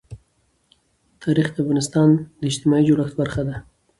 تاریخ د افغانستان د اجتماعي جوړښت برخه ده.